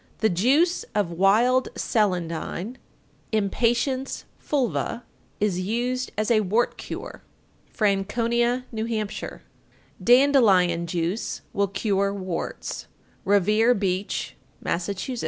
_ 890. The juice of "wild celandine" (Impatiens fulva) is used as a wart cure. Franconia, N.H. 891. Dandelion juice will cure warts. Revere Beach, Mass. 892.